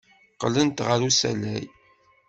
Qqlent ɣer usalay.